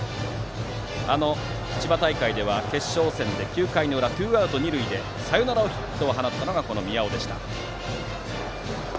千葉大会では決勝戦で９回の裏ツーアウト二塁でサヨナラヒットを放ったのが宮尾でした。